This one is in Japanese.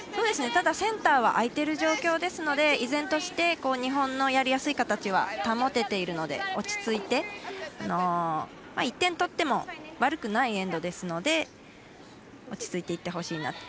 ただ、センターは空いている状況ですので依然として日本のやりやすい形は保てているので落ち着いて、１点取っても悪くないエンドですので落ち着いていってほしいな。